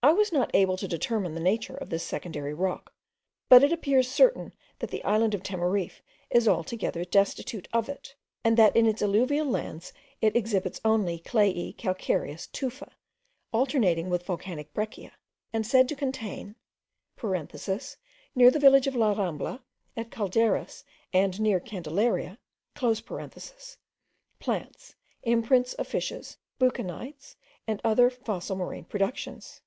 I was not able to determine the nature of this secondary rock; but it appears certain, that the island of Teneriffe is altogether destitute of it; and that in its alluvial lands it exhibits only clayey calcareous tufa, alternating with volcanic breccia, said to contain, (near the village of La Rambla, at Calderas, and near Candelaria,) plants, imprints of fishes, buccinites, and other fossil marine productions.